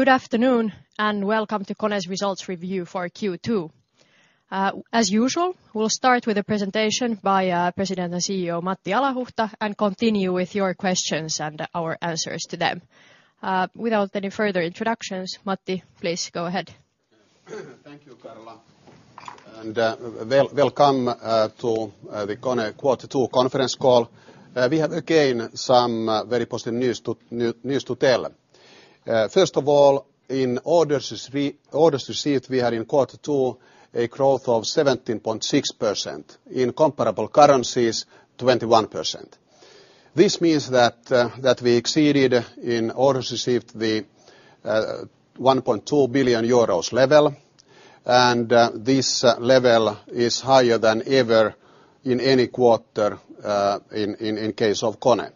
Good afternoon and welcome to KONE's Results Review for Q2. As usual, we'll start with a presentation by President and CEO Matti Alahuhta and continue with your questions and our answers to them. Without any further introductions, Matti, please go ahead. Thank you, Karla. And welcome to the KONE Quarter Two Conference Call. We have again some very positive news to tell. First of all, in orders received, we had in quarter two a growth of 17.6%. In comparable currencies, 21%. This means that we exceeded in orders received the €1.2 billion level. This level is higher than ever in any quarter in case of KONE.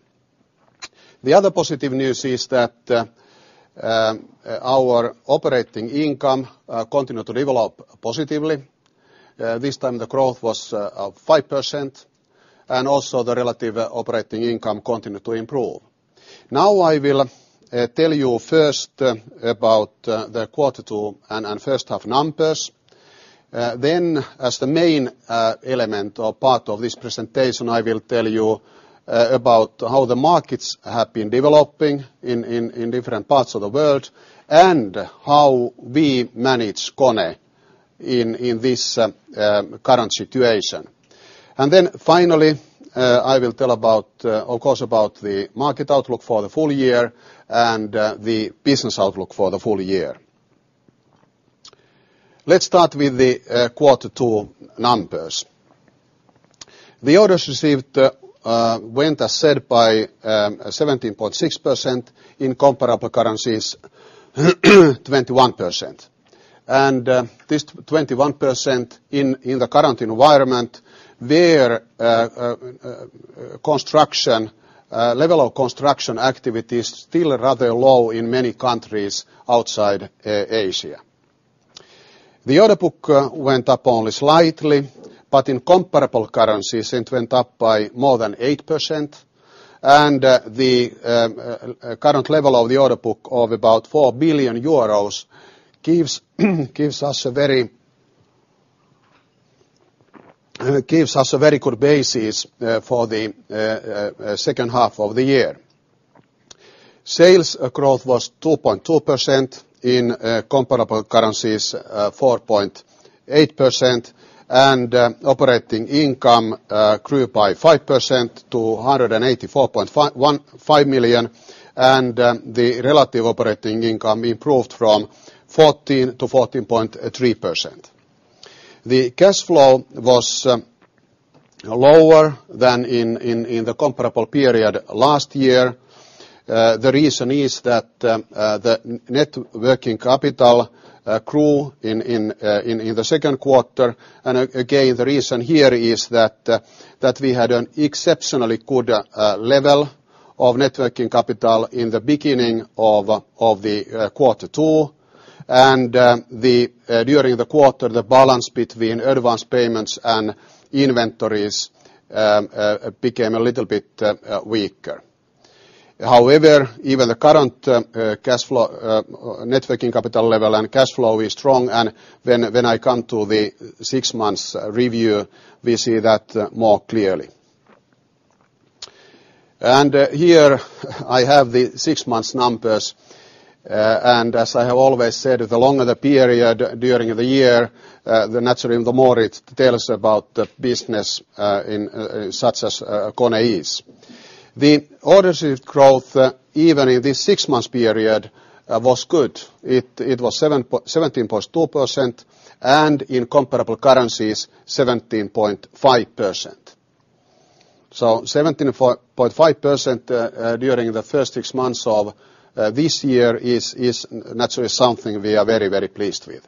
The other positive news is that our operating income continued to develop positively. This time, the growth was 5%. Also, the relative operating income continued to improve. Now I will tell you first about the quarter two and first half numbers. Then, as the main element or part of this presentation, I will tell you about how the markets have been developing in different parts of the world and how we manage KONE in this current situation. Finally, I will tell about, of course, the market outlook for the full year and the business outlook for the full year. Let's start with the quarter two numbers. The orders received went, as said, by 17.6%. In comparable currencies, 21%. This 21% in the current environment, where construction, level of construction activity is still rather low in many countries outside Asia. The order book went up only slightly. In comparable currencies, it went up by more than 8%. The current level of the order book of about €4 billion gives us a very good basis for the second half of the year. Sales growth was 2.2%. In comparable currencies, 4.8%. Operating income grew by 5% to €184.5 million. The relative operating income improved from 14% to 14.3%. The cash flow was lower than in the comparable period last year. The reason is that the net working capital grew in the second quarter. The reason here is that we had an exceptionally good level of net working capital in the beginning of quarter two. During the quarter, the balance between advance payments and inventories became a little bit weaker. However, even the current net working capital level and cash flow is strong. When I come to the six months review, we see that more clearly. Here I have the six months' numbers. As I have always said, the longer the period during the year, the more it tells about the business in such as KONE is. The orders received growth, even in this six months' period, was good. It was 17.2%. In comparable currencies, 17.5%. 17.5% during the first six months of this year is naturally something we are very, very pleased with.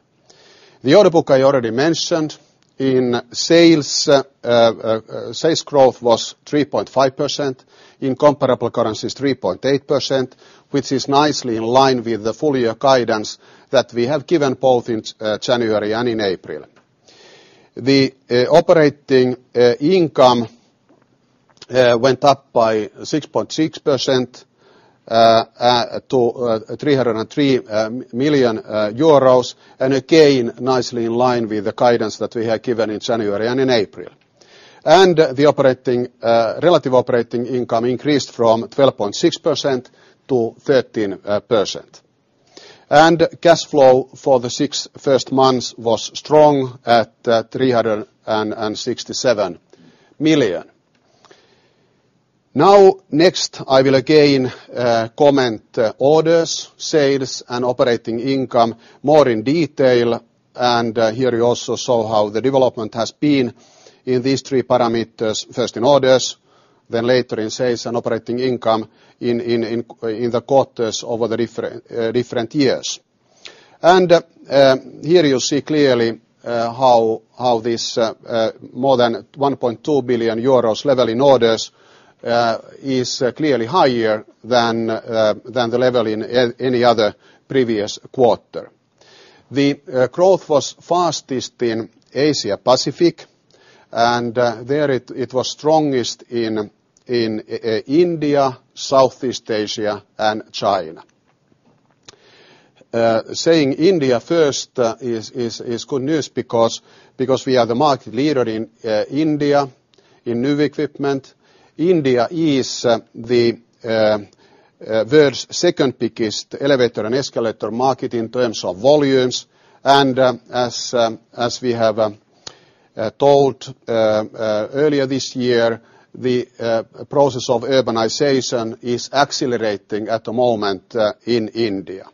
The order book I already mentioned. In sales, sales growth was 3.5%. In comparable currencies, 3.8%, which is nicely in line with the full year guidance that we have given both in January and in April. The operating income went up by 6.6% to €303 million. Again, nicely in line with the guidance that we had given in January and in April. The relative operating income increased from 12.6% to 13%. Cash flow for the six first months was strong at €367 million. Next, I will again comment orders, sales, and operating income more in detail. Here you also saw how the development has been in these three parameters. First in orders, then later in sales and operating income in the quarters over the different years. Here you see clearly how this more than €1.2 billion level in orders is clearly higher than the level in any other previous quarter. The growth was fastest in Asia-Pacific, and there it was strongest in India, Southeast Asia, and China. Saying India first is good news because we are the market leader in India in new equipment. India is the world's second biggest elevator and escalator market in terms of volumes. As we have told earlier this year, the process of urbanization is accelerating at the moment in India.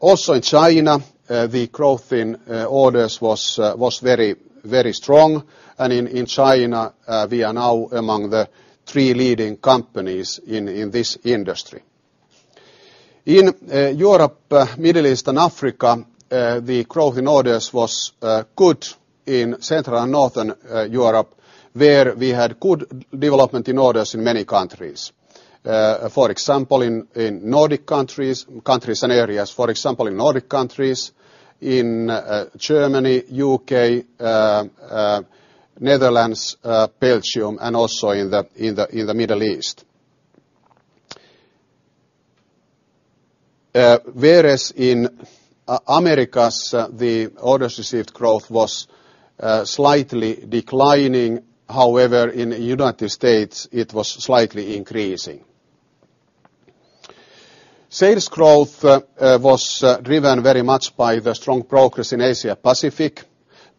Also in China, the growth in orders was very, very strong. In China, we are now among the three leading companies in this industry. In Europe, Middle East, and Africa, the growth in orders was good. In Central and Northern Europe, we had good development in orders in many countries. For example, in Nordic countries, in Germany, U.K., Netherlands, Belgium, and also in the Middle East. Whereas in Americas, the orders received growth was slightly declining. However, in the United States, it was slightly increasing. Sales growth was driven very much by the strong progress in Asia-Pacific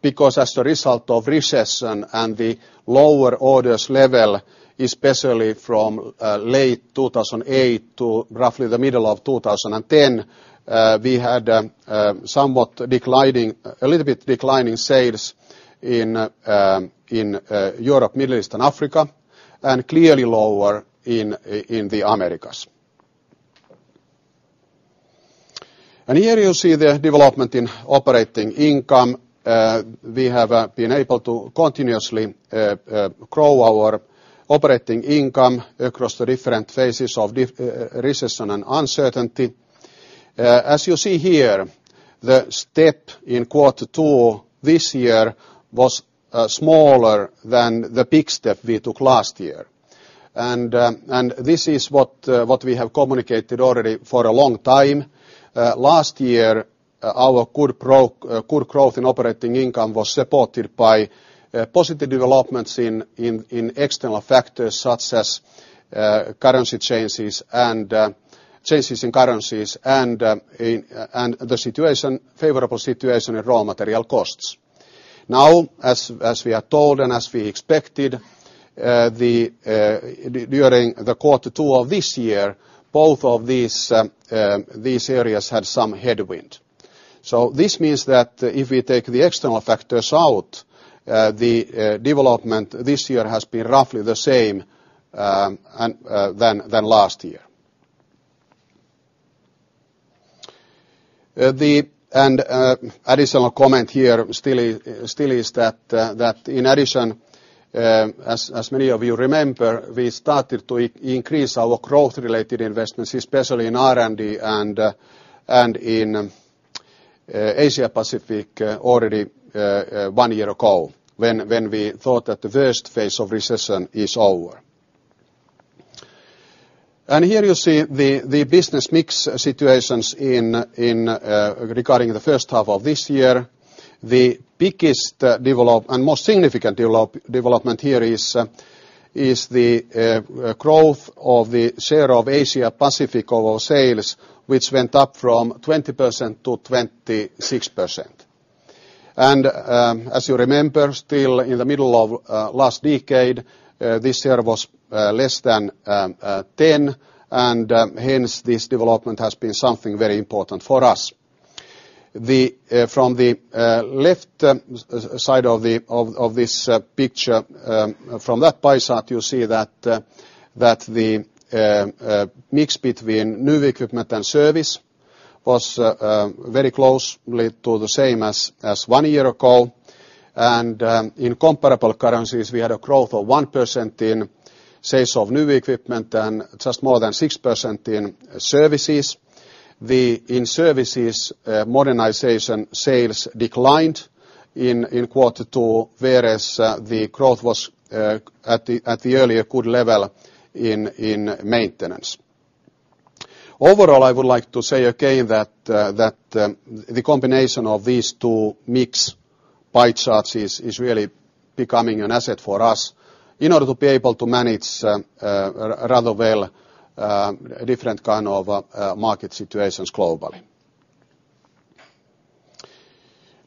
because as a result of recession and the lower orders level, especially from late 2008 to roughly the middle of 2010, we had somewhat declining, a little bit declining sales in Europe, Middle East, and Africa, and clearly lower in the Americas. Here you see the development in operating income. We have been able to continuously grow our operating income across the different phases of recession and uncertainty. As you see here, the step in Q2 this year was smaller than the peak step we took last year. This is what we have communicated already for a long time. Last year, our good growth in operating income was supported by positive developments in external factors such as currency changes and the favorable situation in raw material costs. Now, as we are told and as we expected, during the quarter two of this year, both of these areas had some headwind. This means that if we take the external factors out, the development this year has been roughly the same as last year. The additional comment here still is that, as many of you remember, we started to increase our growth-related investments, especially in R&D and in Asia-Pacific already one year ago when we thought that the first phase of recession is over. Here you see the business mix situations regarding the first half of this year. The biggest development and most significant development here is the growth of the share of Asia-Pacific oil sales, which went up from 20% to 26%. As you remember, still in the middle of last decade, this share was less than 10%. Hence, this development has been something very important for us. From the left side of this picture, from that pie chart, you see that the mix between new equipment and service was very close to the same as one year ago. In comparable currencies, we had a growth of 1% in sales of new equipment and just more than 6% in services. In services, modernization sales declined in quarter two, whereas the growth was at the earlier good level in maintenance. Overall, I would like to say again that the combination of these two mixed pie charts is really becoming an asset for us in order to be able to manage rather well different kinds of market situations globally.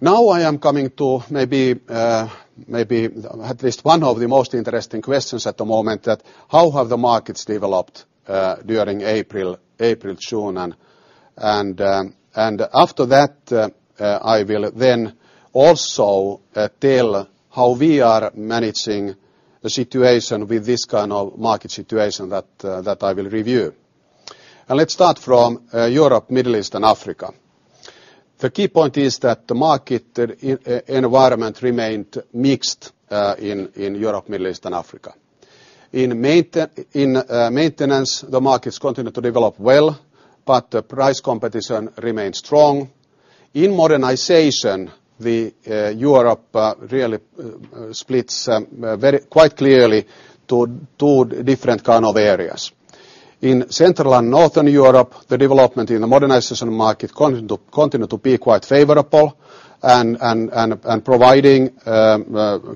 Now I am coming to maybe at least one of the most interesting questions at the moment, that is how have the markets developed during April, June, and after that, I will then also tell how we are managing the situation with this kind of market situation that I will review. Let's start from Europe, Middle East, and Africa. The key point is that the market environment remained mixed in Europe, Middle East, and Africa. In maintenance, the markets continue to develop well, but the price competition remains strong. In modernization, Europe really splits quite clearly to two different kinds of areas. In Central and Northern Europe, the development in the modernization market continued to be quite favorable and providing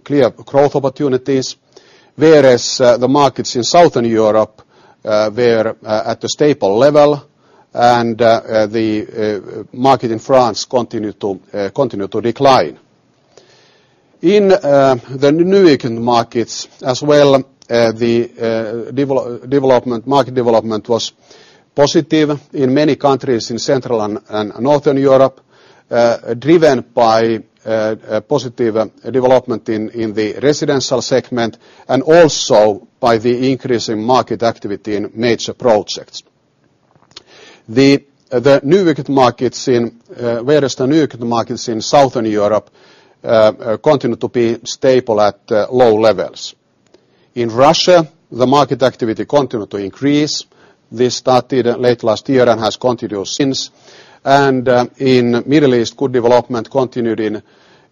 clear growth opportunities. Whereas the markets in Southern Europe were at a stable level, and the market in France continued to decline. In the new markets as well, the market development was positive in many countries in Central and Northern Europe, driven by positive development in the residential segment and also by the increasing market activity in major projects. The new markets in Southern Europe continue to be stable at low levels. In Russia, the market activity continued to increase. This started late last year and has continued since. In the Middle East, good development continued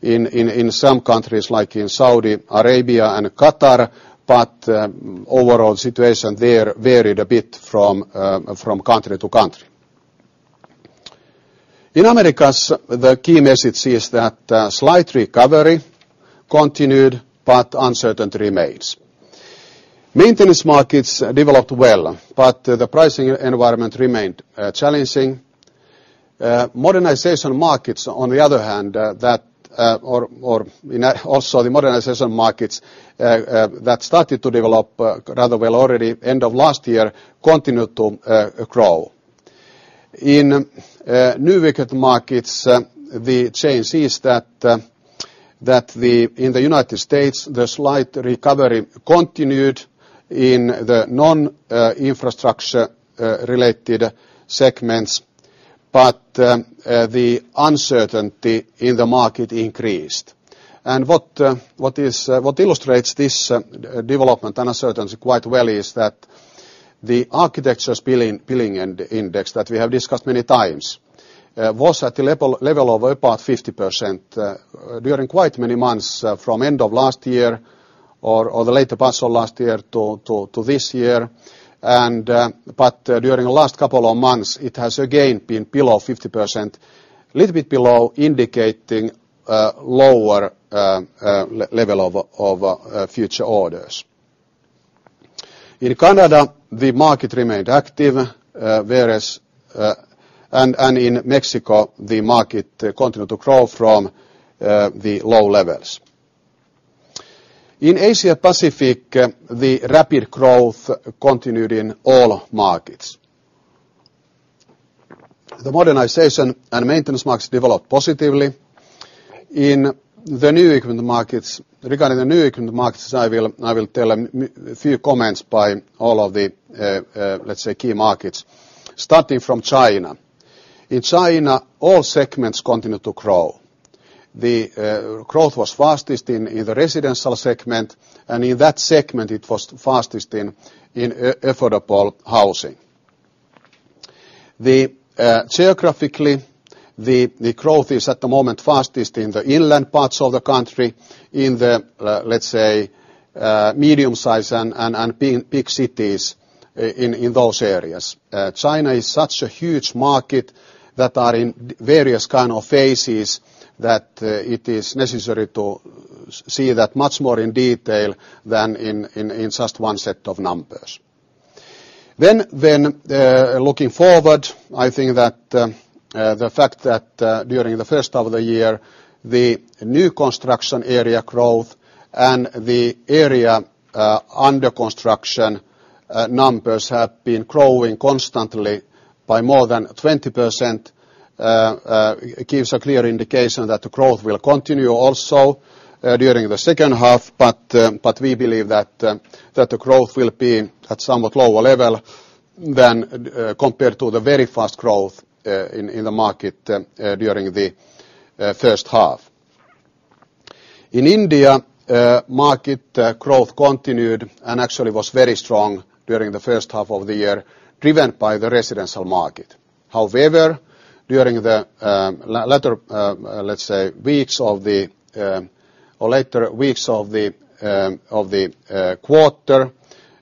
in some countries like in Saudi Arabia and Qatar. The overall situation there varied a bit from country to country. In Americas, the key message is that slight recovery continued, but uncertainty remains. Maintenance markets developed well, but the pricing environment remained challenging. Modernization markets, on the other hand, that also the modernization markets that started to develop rather well already end of last year continued to grow. In new markets, the change is that in the United States, the slight recovery continued in the non-infrastructure-related segments, but the uncertainty in the market increased. What illustrates this development and uncertainty quite well is that the Architecture Billings Index that we have discussed many times was at the level of about 50% during quite many months from end of last year or the latter part of last year to this year. During the last couple of months, it has again been below 50%, a little bit below, indicating a lower level of future orders. In Canada, the market remained active, whereas in Mexico, the market continued to grow from the low levels. In Asia-Pacific, the rapid growth continued in all markets. The modernization and maintenance markets developed positively. In the new equipment markets, regarding the new equipment markets, I will tell a few comments by all of the, let's say, key markets, starting from China. In China, all segments continued to grow. The growth was fastest in the residential segment. In that segment, it was fastest in affordable housing. Geographically, the growth is at the moment fastest in the inland parts of the country, in the, let's say, medium size and big cities in those areas. China is such a huge market that is in various kinds of phases that it is necessary to see that much more in detail than in just one set of numbers. Looking forward, I think that the fact that during the first half of the year, the new construction area growth and the area under construction numbers have been growing constantly by more than 20% gives a clear indication that the growth will continue also during the second half. We believe that the growth will be at a somewhat lower level than compared to the very fast growth in the market during the first half. In India, market growth continued and actually was very strong during the first half of the year, driven by the residential market. However, during the latter weeks of the quarter,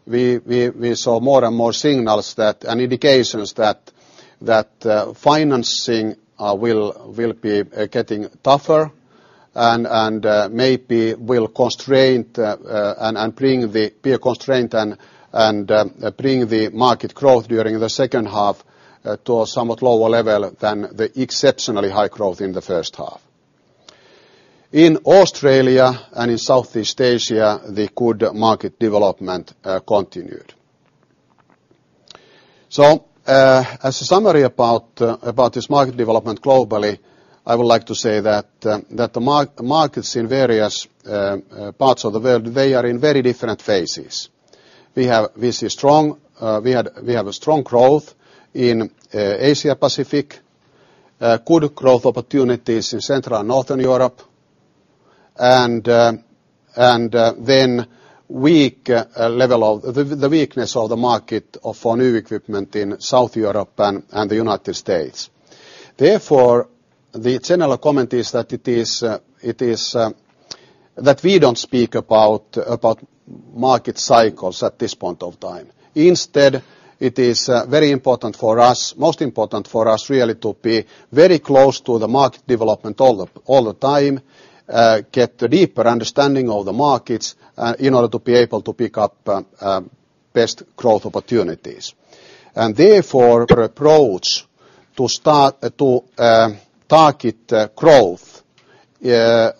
we saw more and more signals and indications that financing will be getting tougher and maybe will constrain and bring the market growth during the second half to a somewhat lower level than the exceptionally high growth in the first half. In Australia and in Southeast Asia, the good market development continued. As a summary about this market development globally, I would like to say that the markets in various parts of the world are in very different phases. We have strong growth in Asia-Pacific, good growth opportunities in Central and Northern Europe, and then the weakness of the market for new equipment in Southern Europe and the United States. Therefore, the general comment is that we don't speak about market cycles at this point of time. Instead, it is very important for us, most important for us really, to be very close to the market development all the time, get a deeper understanding of the markets in order to be able to pick up best growth opportunities. Therefore, our approach to target growth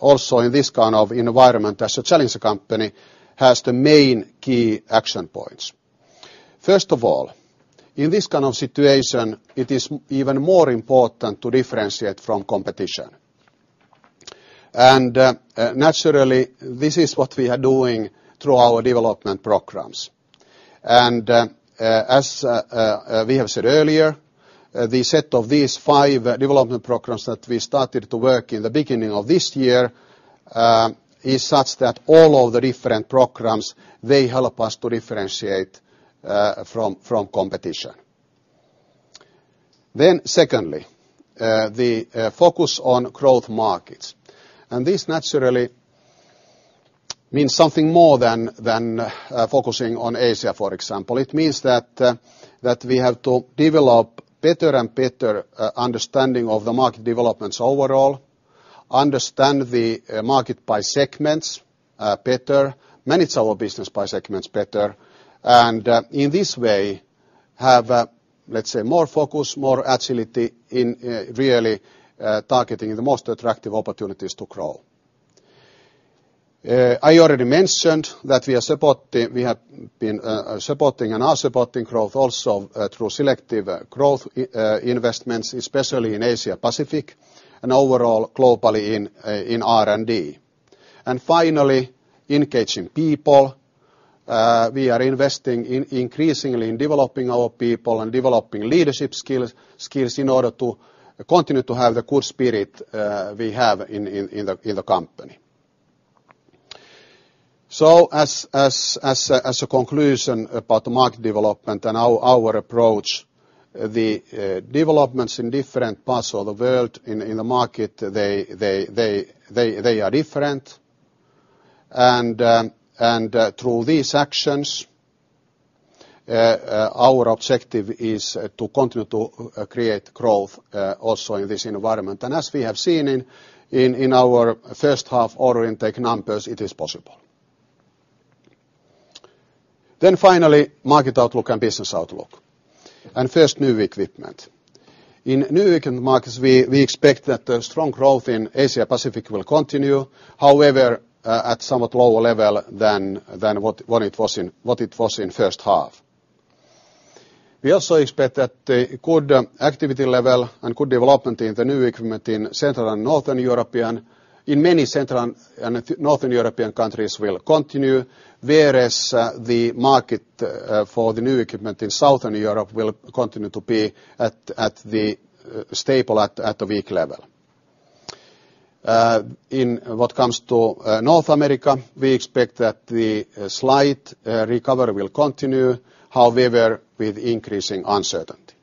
also in this kind of environment as a challenge company has the main key action points. First of all, in this kind of situation, it is even more important to differentiate from competition. Naturally, this is what we are doing through our development programs. As we have said earlier, the set of these five development programs that we started to work in the beginning of this year is such that all of the different programs help us to differentiate from competition. Secondly, the focus on growth markets. This naturally means something more than focusing on Asia, for example. It means that we have to develop better and better understanding of the market developments overall, understand the market by segments better, manage our business by segments better, and in this way have, let's say, more focus, more agility in really targeting the most attractive opportunities to grow. I already mentioned that we are supporting, we have been supporting and are supporting growth also through selective growth investments, especially in Asia-Pacific and overall globally in R&D. Finally, engaging people. We are investing increasingly in developing our people and developing leadership skills in order to continue to have the good spirit we have in the company. As a conclusion about the market development and our approach, the developments in different parts of the world in the market, they are different. Through these actions, our objective is to continue to create growth also in this environment. As we have seen in our first half order intake numbers, it is possible. Finally, market outlook and business outlook. First, new equipment. In new equipment markets, we expect that the strong growth in Asia-Pacific will continue, however, at somewhat lower level than what it was in the first half. We also expect that the good activity level and good development in the new equipment in Central and Northern European, in many Central and Northern European countries, will continue, whereas the market for the new equipment in Southern Europe will continue to be at the stable, at the weak level. In what comes to North America, we expect that the slight recovery will continue, however, with increasing uncertainty.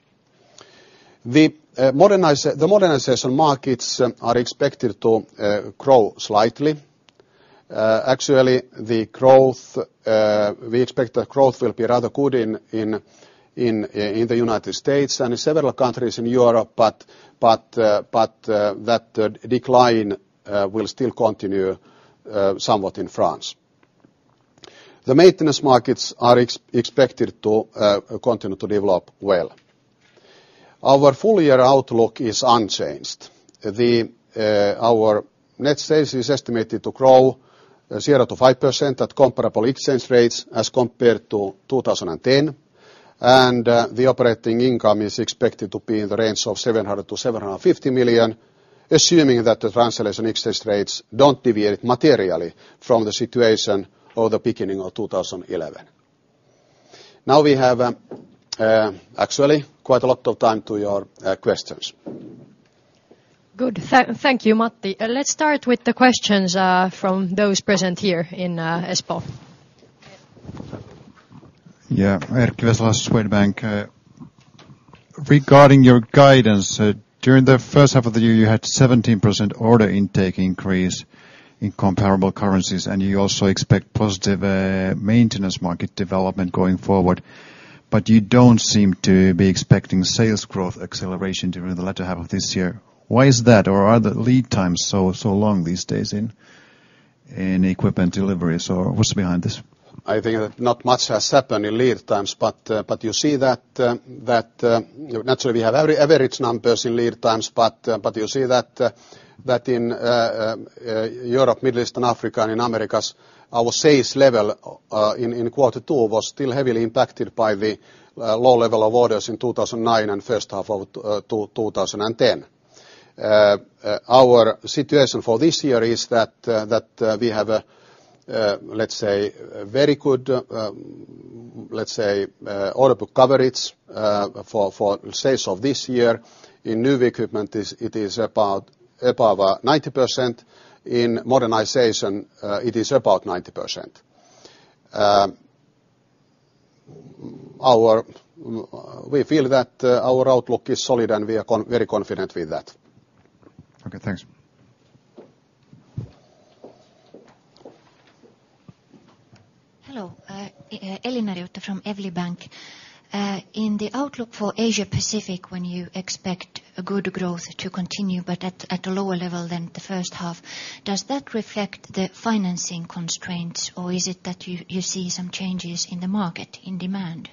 The modernization markets are expected to grow slightly. Actually, the growth, we expect that growth will be rather good in the United States and in several countries in Europe, but that decline will still continue somewhat in France. The maintenance markets are expected to continue to develop well. Our full year outlook is unchanged. Our net sales is estimated to grow 0%-5% at comparable exchange rates as compared to 2010. The operating income is expected to be in the range of €700 million-€750 million, assuming that the translation exchange rates don't deviate materially from the situation of the beginning of 2011. Now we have actually quite a lot of time to your questions. Good. Thank you, Matti. Let's start with the questions from those present here in Espoo. Yeah. [Erik Krasal], Swedbank. Regarding your guidance, during the first half of the year, you had 17% order intake increase in comparable currencies. You also expect positive maintenance market development going forward. You don't seem to be expecting sales growth acceleration during the latter half of this year. Why is that? Are the lead times so long these days in equipment deliveries? What's behind this? I think that not much has happened in lead times. You see that naturally, we have average numbers in lead times. You see that in Europe, Middle East, and Africa and in Americas, our sales level in quarter two was still heavily impacted by the low level of orders in 2009 and the first half of 2010. Our situation for this year is that we have, let's say, very good, let's say, order book coverage for sales of this year. In new equipment, it is about 90%. In modernization, it is about 90%. We feel that our outlook is solid, and we are very confident with that. Okay. Thanks. Hello. [Elin Eriotaud] from Evli Bank. In the outlook for Asia-Pacific, when you expect good growth to continue but at a lower level than the first half, does that reflect the financing constraints, or is it that you see some changes in the market in demand?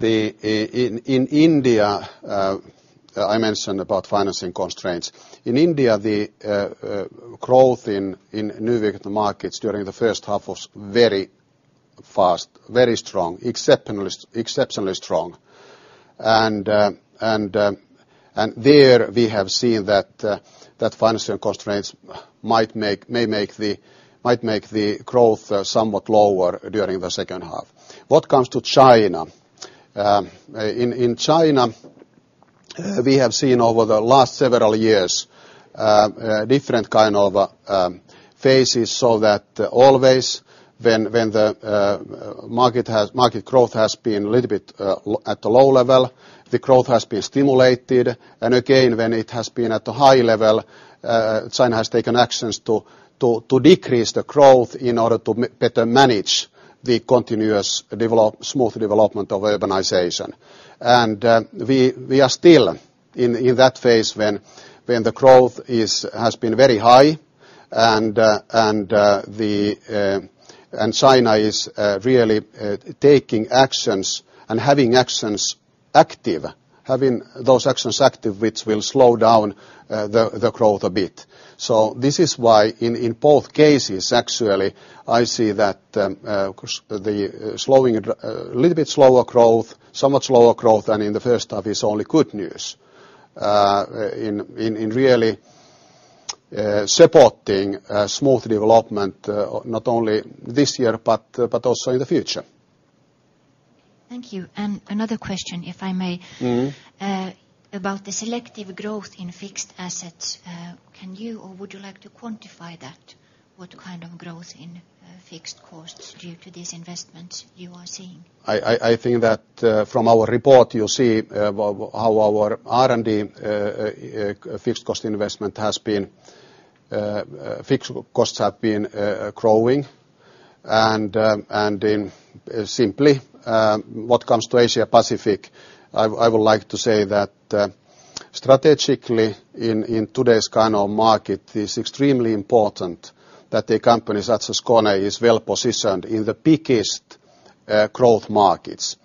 In India, I mentioned about financing constraints. In India, the growth in new equipment markets during the first half was very fast, very strong, exceptionally strong. There, we have seen that financing constraints might make the growth somewhat lower during the second half. What comes to China? In China, we have seen over the last several years different kinds of phases so that always when the market growth has been a little bit at a low level, the growth has been stimulated. When it has been at a high level, China has taken actions to decrease the growth in order to better manage the continuous development, smooth development of urbanization. We are still in that phase when the growth has been very high. China is really taking actions and having those actions active which will slow down the growth a bit. This is why in both cases, actually, I see that the slowing, a little bit slower growth, somewhat slower growth than in the first half is only good news in really supporting smooth development not only this year but also in the future. Thank you. Another question, if I may, about the selective growth in fixed assets. Can you or would you like to quantify that? What kind of growth in fixed costs due to these investments are you seeing? I think that from our report, you see how our R&D fixed cost investment has been, fixed costs have been growing. What comes to Asia-Pacific, I would like to say that strategically in today's kind of market, it is extremely important that a company such as KONE is well positioned in the biggest growth markets.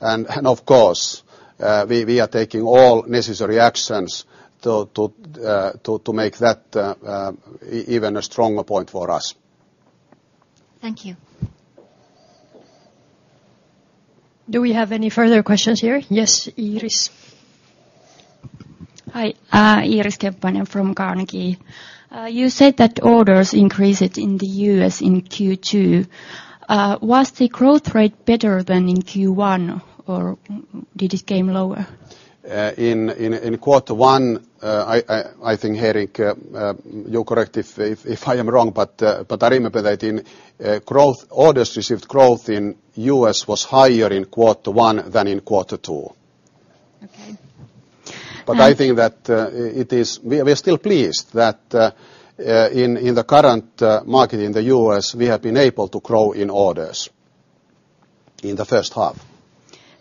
Of course, we are taking all necessary actions to make that even a stronger point for us. Thank you. Do we have any further questions here? Yes, [Iris]. Hi. [Iris Teppanen] from Carnegie. You said that orders increased in the U.S. in Q2. Was the growth rate better than in Q1, or did it come lower? In quarter one, I think, [Erik], correct me if I am wrong, but I remember that in growth, orders received growth in the U.S. was higher in quarter one than in quarter two. Okay. I think that it is, we are still pleased that in the current market in the U.S., we have been able to grow in orders in the first half.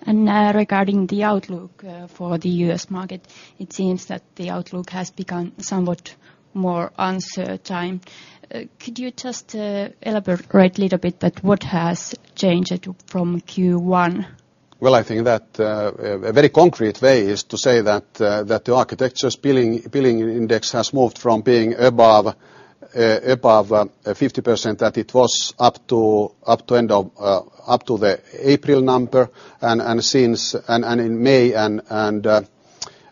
Regarding the outlook for the U.S. market, it seems that the outlook has become somewhat more uncertain. Could you just elaborate a little bit on what has changed from Q1? I think that a very concrete way is to say that the Architecture Billings Index has moved from being above 50% that it was up to the April number. In May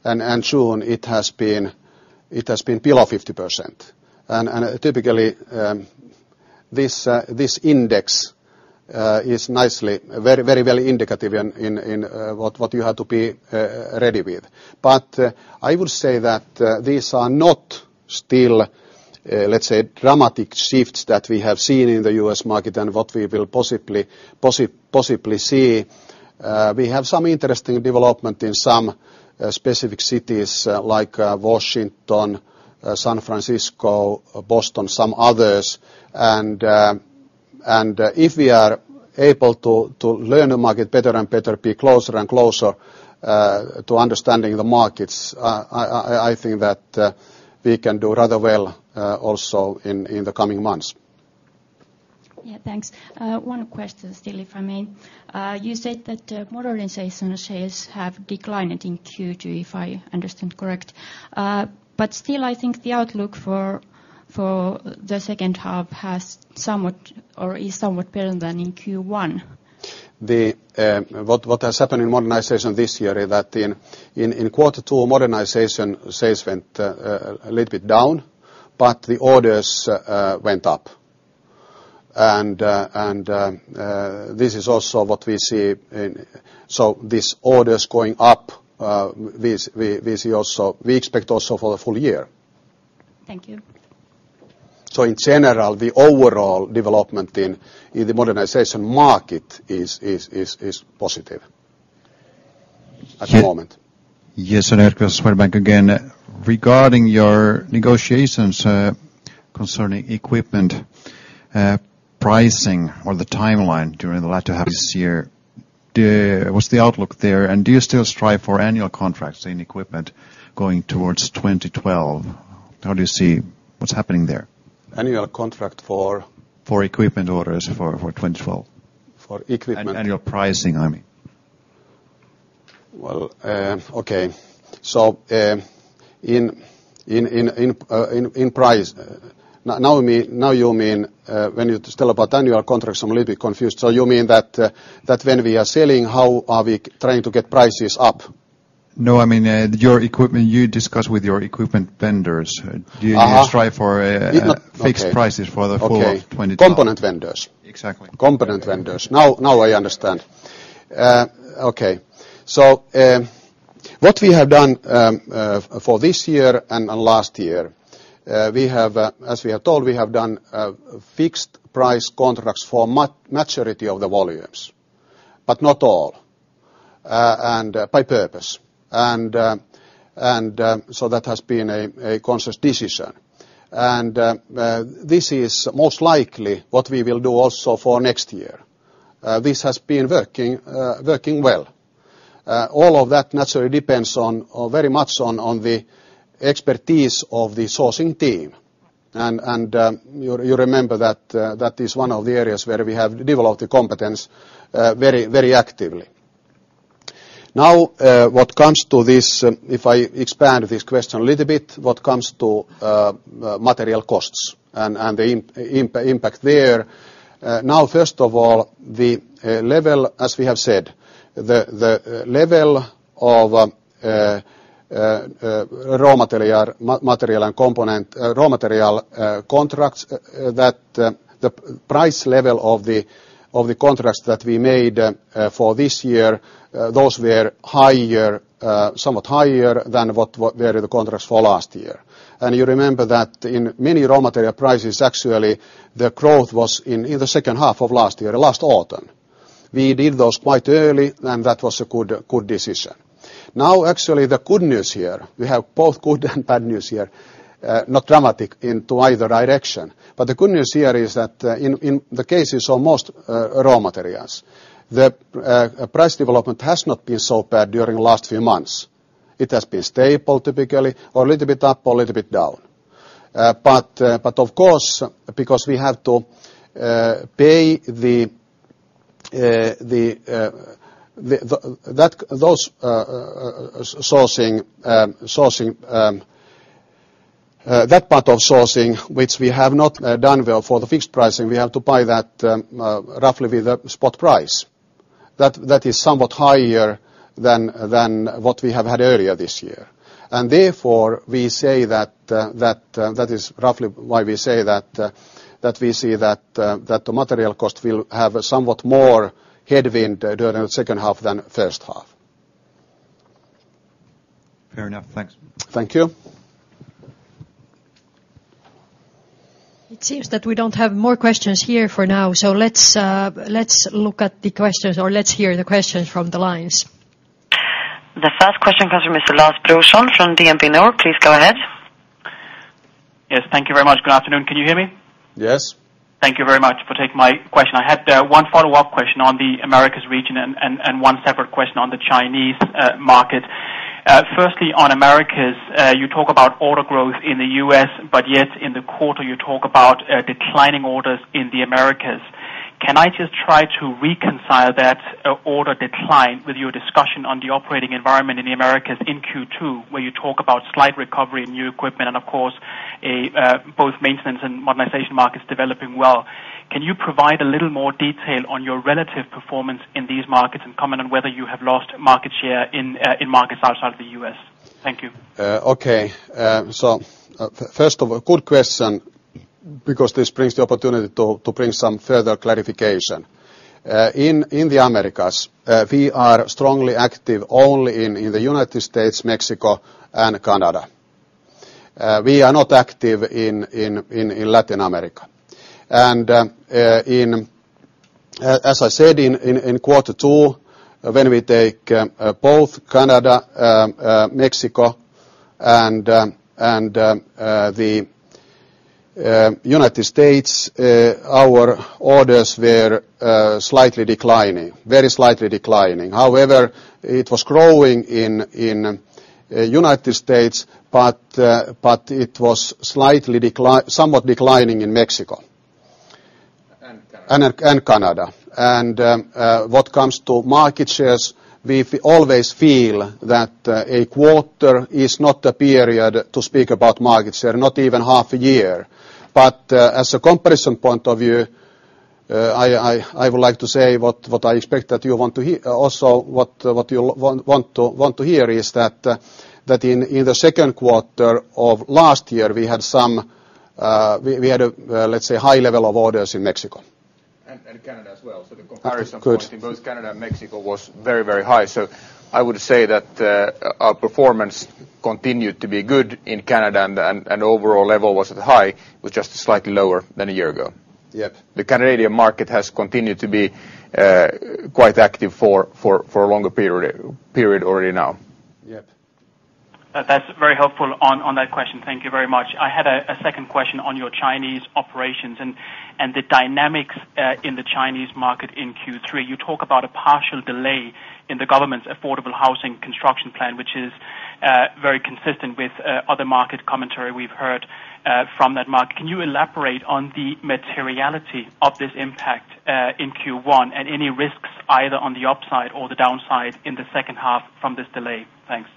and June, it has been below 50%. Typically, this index is nicely, very, very indicative in what you have to be ready with. I would say that these are not still, let's say, dramatic shifts that we have seen in the U.S. market and what we will possibly see. We have some interesting development in some specific cities like Washington, San Francisco, Boston, some others. If we are able to learn the market better and better, be closer and closer to understanding the markets, I think that we can do rather well also in the coming months. Thanks. One question still, if I may. You said that modernization sales have declined in Q2, if I understand correct. I think the outlook for the second half is somewhat better than in Q1. What has happened in modernization this year is that in quarter two, modernization sales went a little bit down, but the orders went up. This is also what we see. These orders going up, we expect also for the full year. Thank you. In general, the overall development in the modernization market is positive at the moment. Yes, and [Erik] from Swedbank again. Regarding your negotiations concerning equipment, pricing, or the timeline during the latter half of this year, what's the outlook there? Do you still strive for annual contracts in equipment going towards 2012? How do you see what's happening there? Annual contract for? For equipment orders for 2012. For equipment. Annual pricing, I mean. Okay. In price, now you mean when you tell about annual contracts, I'm a little bit confused. You mean that when we are selling, how are we trying to get prices up? No, I mean your equipment, you discuss with your equipment vendors. Do you strive for fixed prices for the full 2012? Okay. Component vendors. Exactly. Component vendors. Now I understand. Okay. What we have done for this year and last year, as we have told, we have done fixed-price contracts for a majority of the volumes, but not all, and by purpose. That has been a conscious decision. This is most likely what we will do also for next year. This has been working well. All of that naturally depends very much on the expertise of the sourcing team. You remember that is one of the areas where we have developed the competence very, very actively. Now, if I expand this question a little bit, what comes to material costs and the impact there? First of all, as we have said, the level of raw material and component raw material contracts, the price level of the contracts that we made for this year, those were higher, somewhat higher than what were the contracts for last year. You remember that in many raw material prices, actually, the growth was in the second half of last year, last autumn. We did those quite early, and that was a good decision. Actually, the good news here, we have both good and bad news here, not dramatic in either direction. The good news here is that in the cases of most raw materials, the price development has not been so bad during the last few months. It has been stable typically, or a little bit up or a little bit down. Of course, because we have to pay those, that part of sourcing which we have not done well for the fixed pricing, we have to buy that roughly with the spot price. That is somewhat higher than what we have had earlier this year. Therefore, we say that is roughly why we say that we see that the material cost will have somewhat more headwind during the second half than the first half. Fair enough. Thanks. Thank you. It seems that we don't have more questions here for now. Let's look at the questions or let's hear the questions from the lines. The first question comes from Mr. [Lars Brorson] from DnB NOR. Please go ahead. Yes, thank you very much. Good afternoon. Can you hear me? Yes. Thank you very much for taking my question. I had one follow-up question on the Americas region and one separate question on the Chinese market. Firstly, on Americas, you talk about order growth in the U.S., but yet in the quarter, you talk about declining orders in the Americas. Can I just try to reconcile that order decline with your discussion on the operating environment in the Americas in Q2, where you talk about slight recovery in new equipment and, of course, both maintenance and modernization markets developing well? Can you provide a little more detail on your relative performance in these markets and comment on whether you have lost market share in markets outside of the U.S.? Thank you. Okay. First of all, good question because this brings the opportunity to bring some further clarification. In the Americas, we are strongly active only in the United States, Mexico, and Canada. We are not active in Latin America. As I said, in quarter two, when we take both Canada, Mexico, and the United States, our orders were slightly declining, very slightly declining. However, it was growing in the United States, but it was slightly somewhat declining in Mexico and Canada. What comes to market shares, we always feel that a quarter is not a period to speak about market share, not even half a year. As a comparison point of view, I would like to say what I expect that you want to hear. Also, what you want to hear is that in the second quarter of last year, we had some, let's say, high level of orders in Mexico. Canada as well. The comparison point in both Canada and Mexico was very, very high. I would say that our performance continued to be good in Canada, and the overall level was as high. It was just slightly lower than a year ago. Yep. The Canadian market has continued to be quite active for a longer period already now. Yep. That's very helpful on that question. Thank you very much. I had a second question on your Chinese operations and the dynamics in the Chinese market in Q3. You talk about a partial delay in the government's affordable housing construction plan, which is very consistent with other market commentary we've heard from that market. Can you elaborate on the materiality of this impact in Q1 and any risks either on the upside or the downside in the second half from this delay? Thanks.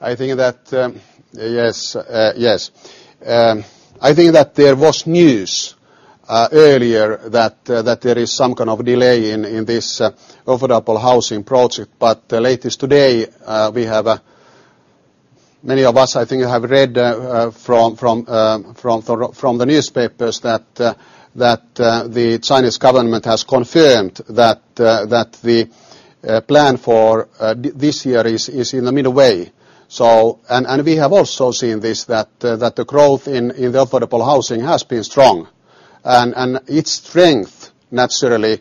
I think that, yes, yes. I think that there was news earlier that there is some kind of delay in this affordable housing project. However, latest today, we have, many of us, I think, have read from the newspapers that the Chinese government has confirmed that the plan for this year is in the middle way. We have also seen this, that the growth in the affordable housing has been strong. Its strength naturally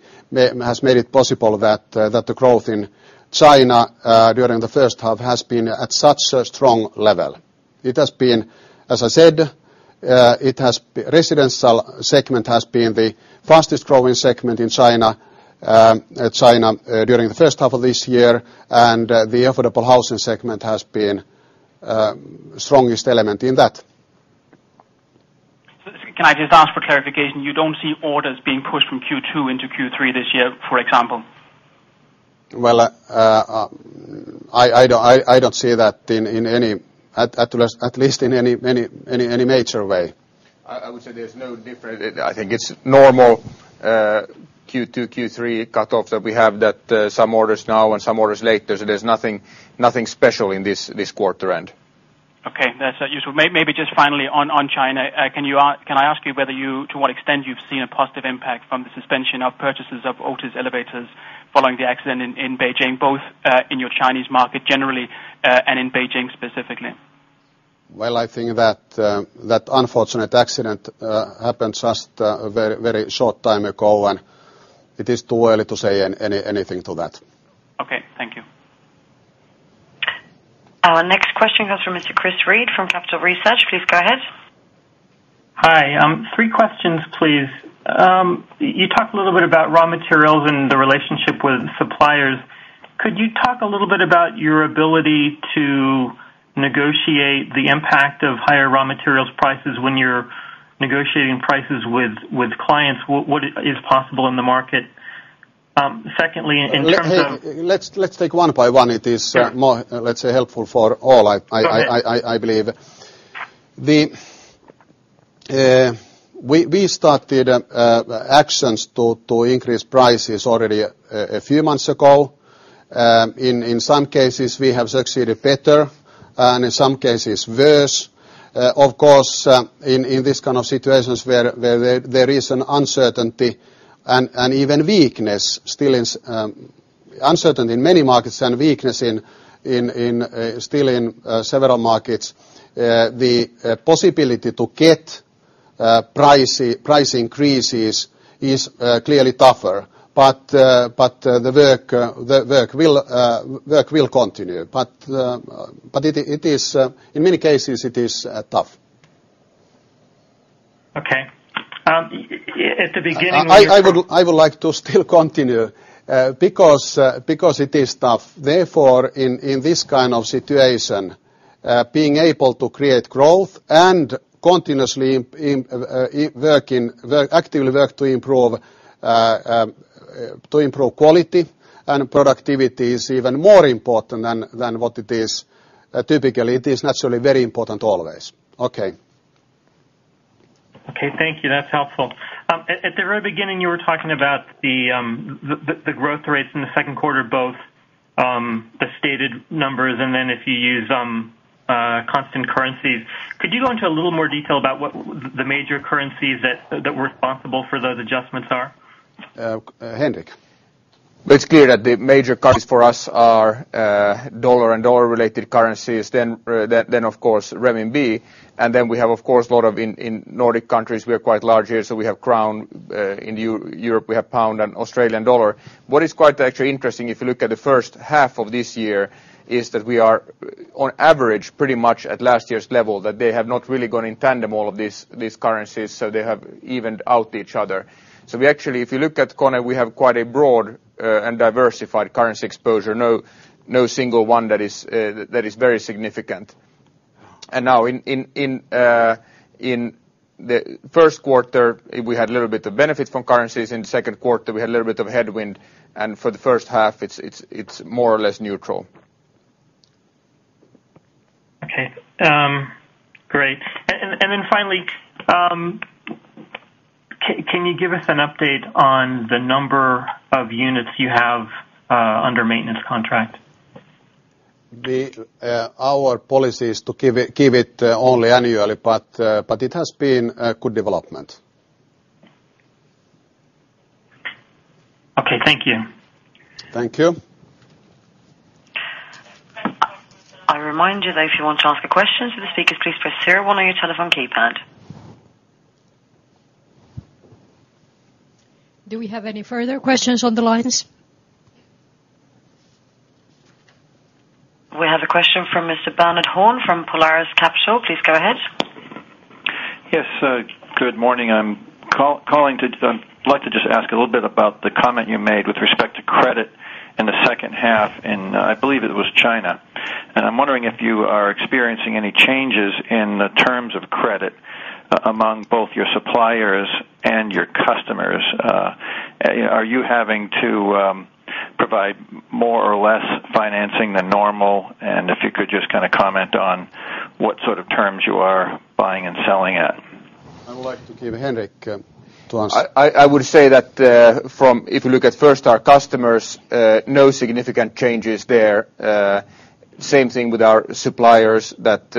has made it possible that the growth in China during the first half has been at such a strong level. It has been, as I said, the residential segment has been the fastest growing segment in China during the first half of this year. The affordable housing segment has been the strongest element in that. Can I just ask for clarification? You don't see orders being pushed from Q2 into Q3 this year, for example? I don't see that in any, at least in any major way. I would say there's no difference. I think it's normal Q2, Q3 cutoffs that we have, that some orders now and some orders later. There's nothing special in this quarter end. Okay, that's useful. Maybe just finally on China, can I ask you whether you, to what extent you've seen a positive impact from the suspension of purchases of Otis elevators following the accident in Beijing, both in your Chinese market generally and in Beijing specifically? I think that unfortunate accident happened just a very, very short time ago, and it is too early to say anything to that. Okay, thank you. Our next question comes from Mr. Chris Reid from Capital Research. Please go ahead. Hi. Three questions, please. You talked a little bit about raw materials and the relationship with suppliers. Could you talk a little bit about your ability to negotiate the impact of higher raw material costs when you're negotiating prices with clients? What is possible in the market? Secondly, in terms of. Let's take one by one. It is more, let's say, helpful for all, I believe. We started actions to increase prices already a few months ago. In some cases, we have succeeded better, and in some cases, worse. Of course, in this kind of situations where there is an uncertainty and even weakness, still uncertainty in many markets and weakness still in several markets, the possibility to get price increases is clearly tougher. The work will continue. It is, in many cases, tough. Okay, at the beginning of. I would like to still continue because it is tough. Therefore, in this kind of situation, being able to create growth and continuously actively work to improve quality and productivity is even more important than what it is typically. It is naturally very important always. Okay. Okay. Thank you. That's helpful. At the very beginning, you were talking about the growth rates in the second quarter, both the stated numbers and then if you use comparable currencies. Could you go into a little more detail about what the major currencies that were responsible for those adjustments are? Henrik. It's clear that the major cuts for us are dollar and dollar-related currencies, then, of course, renminbi. We have, of course, a lot in Nordic countries, we are quite large here, so we have crown. In Europe, we have pound and Australian dollar. What is quite actually interesting, if you look at the first half of this year, is that we are on average pretty much at last year's level, that they have not really gone in tandem, all of these currencies. They have evened out each other. If you look at KONE, we have quite a broad and diversified currency exposure. No single one that is very significant. In the first quarter, we had a little bit of benefit from currencies. In the second quarter, we had a little bit of headwind. For the first half, it's more or less neutral. Okay. Great. Finally, can you give us an update on the number of units you have under maintenance contract? Our policy is to keep it only annually, but it has been a good development. Okay, thank you. Thank you. I remind you that if you want to ask a question to the speakers, please press zero one on your telephone keypad. Do we have any further questions on the lines? We have a question from Mr. Bernard Horn from Polaris Capital. Please go ahead. Yes. Good morning. I'd like to just ask a little bit about the comment you made with respect to credit in the second half in, I believe it was China. I'm wondering if you are experiencing any changes in the terms of credit among both your suppliers and your customers. Are you having to provide more or less financing than normal? If you could just kind of comment on what sort of terms you are buying and selling at. I would like to give Henrik to answer. I would say that from, if you look at first our customers, no significant changes there. Same thing with our suppliers, that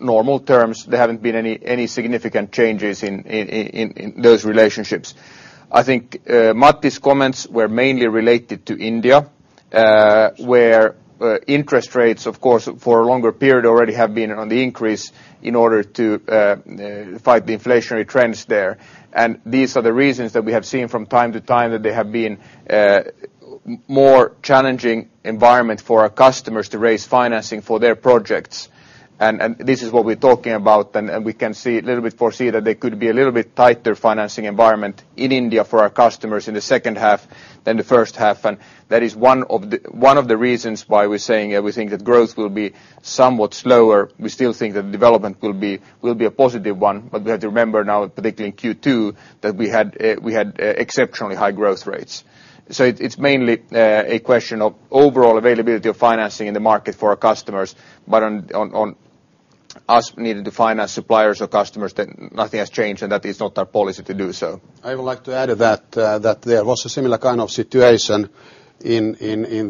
normal terms, there haven't been any significant changes in those relationships. I think Matti's comments were mainly related to India, where interest rates, of course, for a longer period already have been on the increase in order to fight the inflationary trends there. These are the reasons that we have seen from time to time that they have been a more challenging environment for our customers to raise financing for their projects. This is what we're talking about. We can see a little bit foresee that there could be a little bit tighter financing environment in India for our customers in the second half than the first half. That is one of the reasons why we're saying that we think that growth will be somewhat slower. We still think that the development will be a positive one. We have to remember now, particularly in Q2, that we had exceptionally high growth rates. It's mainly a question of overall availability of financing in the market for our customers. On us needing to finance suppliers or customers, nothing has changed, and that is not our policy to do so. I would like to add to that that there was a similar kind of situation in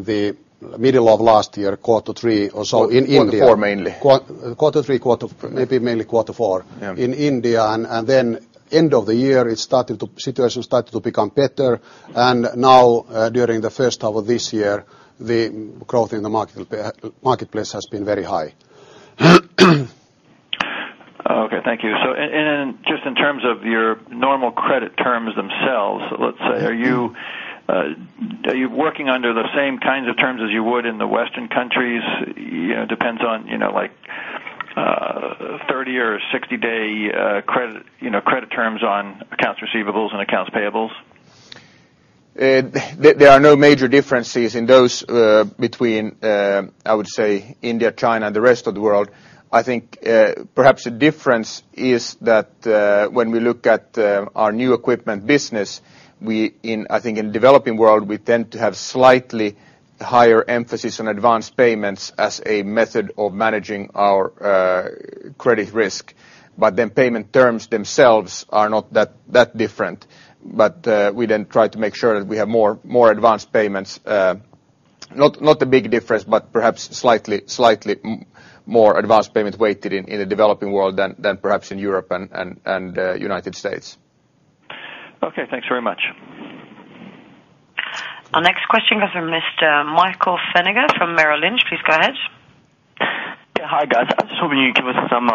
the middle of last year, quarter three or so in India. Quarter four mainly. Quarter three, maybe mainly quarter four in India. At the end of the year, the situation started to become better. Now, during the first half of this year, the growth in the marketplace has been very high. Thank you. In terms of your normal credit terms themselves, are you working under the same kinds of terms as you would in the Western countries? It depends on, you know, like 30 or 60-day credit terms on accounts receivables and accounts payables. There are no major differences in those between, I would say, India, China, and the rest of the world. I think perhaps the difference is that when we look at our new equipment business, in the developing world, we tend to have slightly higher emphasis on advanced payments as a method of managing our credit risk. Payment terms themselves are not that different. We try to make sure that we have more advanced payments, not a big difference, but perhaps slightly more advanced payment weighted in the developing world than perhaps in Europe and the United States. Okay, thanks very much. Our next question comes from Mr. [Michael Harleaux] from Merrill Lynch. Please go ahead. Hi, guys. Just hoping you could give us some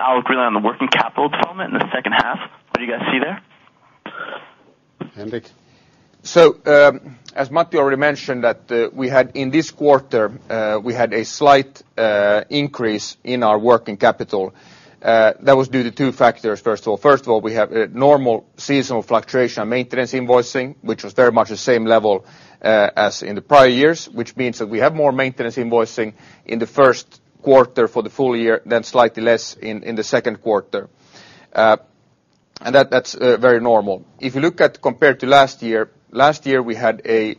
outlook really on the working capital development in the second half. What do you guys see there? As Matti already mentioned, we had in this quarter a slight increase in our working capital. That was due to two factors. First of all, we have a normal seasonal fluctuation in maintenance invoicing, which was very much the same level as in the prior years, which means that we have more maintenance invoicing in the first quarter for the full year, then slightly less in the second quarter. That's very normal. If you look at compared to last year, last year we had a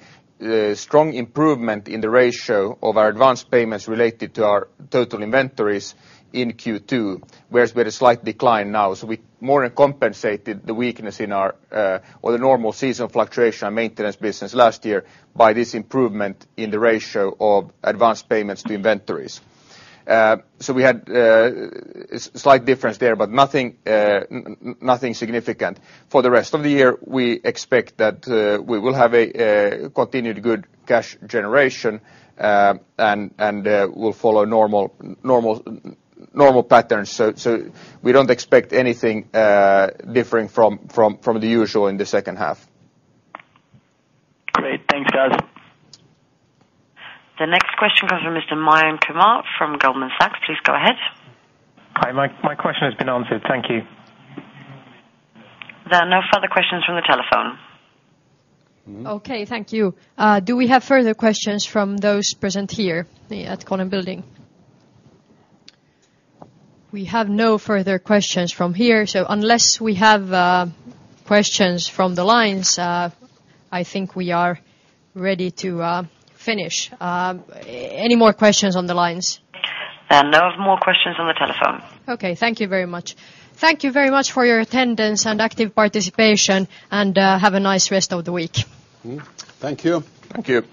strong improvement in the ratio of our advanced payments related to our total inventories in Q2, whereas we had a slight decline now. We more than compensated the weakness in our or the normal seasonal fluctuation in maintenance business last year by this improvement in the ratio of advanced payments to inventories. We had a slight difference there, but nothing significant. For the rest of the year, we expect that we will have continued good cash generation and will follow normal patterns. We don't expect anything different from the usual in the second half. Great. Thanks, guys. The next question comes from Mr. Mayank Kumar from Goldman Sachs. Please go ahead. Hi. My question has been answered. Thank you. There are no further questions from the telephone. Okay. Thank you. Do we have further questions from those present here at KONE Building? We have no further questions from here. Unless we have questions from the lines, I think we are ready to finish. Any more questions on the lines? No, no more questions on the telephone. Thank you very much. Thank you very much for your attendance and active participation. Have a nice rest of the week. Thank you. Thank you.